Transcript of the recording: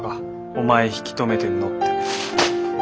お前引き止めてんのって。